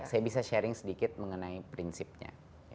saya bisa sharing sedikit mengenai prinsipnya